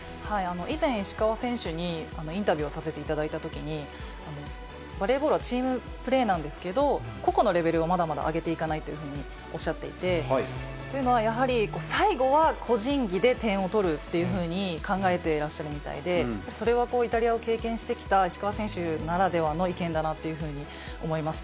以前、石川選手にインタビューをさせていただいたときに、バレーボールはチームプレーなんですけど、個々のレベルをまだまだ上げていかないとといういうふうにおっしゃっていて、というのは、やはり最後は個人技で点を取るというふうに考えていらっしゃるみたいで、それはイタリアを経験してきた石川選手ならではの意見だなっていうふうに思いました。